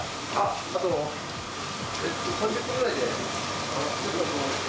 あと３０分ぐらいで。